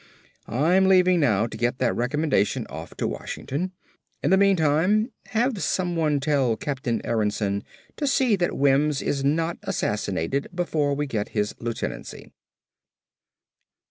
I'm leaving now to get that recommendation off to Washington. In the meantime, have someone tell Captain Aronsen to see that Wims is not assassinated before we get him his lieutenancy."